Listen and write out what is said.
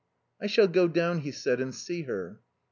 "I shall go down," he said, "and see her."